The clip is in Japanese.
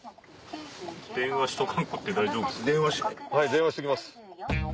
電話しときます。